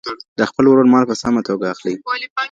د خپل ورور مال په سمه توګه اخلئ.